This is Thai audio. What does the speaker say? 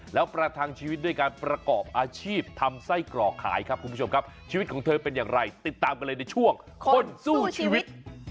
แล้วประทังชีวิตด้วยการประกอบอาชีพทำไส้กรอกขายครับคุณผู้ชมครับชีวิตของเธอเป็นอย่างไรติดตามกันเลยในช่วงคนสู้ชีวิต